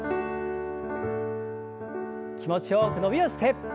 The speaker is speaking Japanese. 気持ちよく伸びをして。